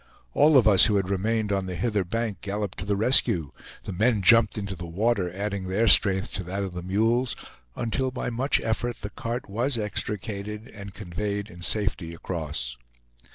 All of us who had remained on the hither bank galloped to the rescue; the men jumped into the water, adding their strength to that of the mules, until by much effort the cart was extricated, and conveyed in safety across.